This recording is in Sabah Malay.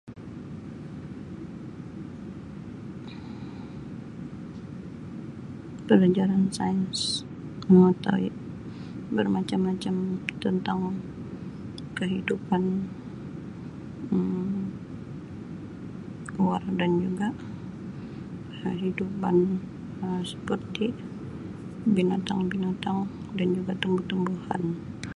Pelajaran sains mengetahui bermacam-macam tentang kehidupan Um luar dan juga kehidupan Um seperti binatang-binatang dan juga tumbuh-tumbuhan.